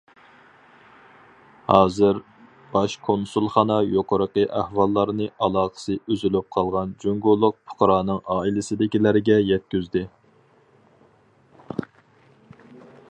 ھازىر، باش كونسۇلخانا يۇقىرىقى ئەھۋاللارنى ئالاقىسى ئۈزۈلۈپ قالغان جۇڭگولۇق پۇقرانىڭ ئائىلىسىدىكىلەرگە يەتكۈزدى.